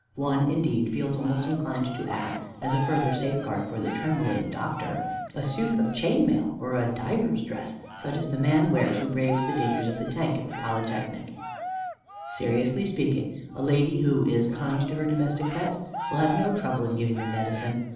One, indeed, feels almost inclined to add, as a further safeguard for the trembling doctor, a suit of chain mail or a diver's dress, such as the man wears who braves the dangers of the tank at the Polytechnic. Seriously speaking, a lady who is kind to her domestic pets will have no trouble in giving them medicine.